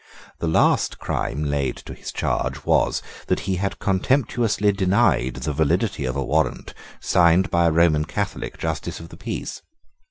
The last crime laid to his charge was, that he had contemptuously denied the validity of a warrant, signed by a Roman Catholic Justice of the Peace.